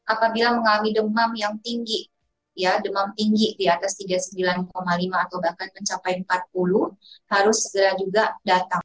apabila mengalami demam yang tinggi ya demam tinggi di atas tiga puluh sembilan lima atau bahkan mencapai empat puluh harus segera juga datang